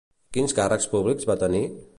Quins càrrecs públics va tenir?